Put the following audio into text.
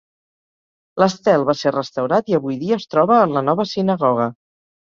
L'estel va ser restaurat i avui dia es troba en la nova sinagoga.